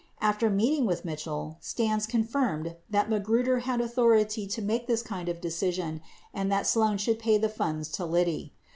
After meeting with Mitchell, Stans confirmed that Magruder had authority to make this kind of decision and that Sloan should pay the funds to Liddy.